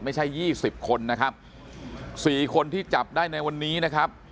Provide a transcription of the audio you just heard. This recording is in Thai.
ไม่ใช่๒๐คนนะครับ๔คนที่จับได้ในวันนี้นะครับ